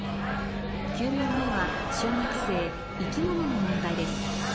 ９問目は小学生生き物の問題です